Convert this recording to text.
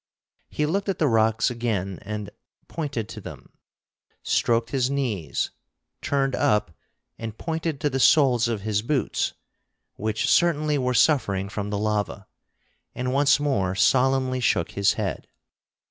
He looked at the rocks again and pointed, to them, stroked his knees, turned up and pointed to the soles of his boots, which certainly were suffering from the lava, and once more solemnly shook his head.